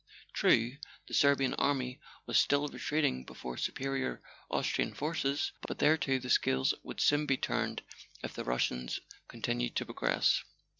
True, the Serbian army was still retreating before superior Austrian forces—but there too the scales would soon be turned if the Rus¬ sians continued to progress.